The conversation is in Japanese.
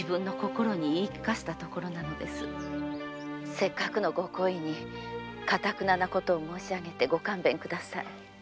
せっかくのご好意にかたくななことを申しあげご勘弁ください。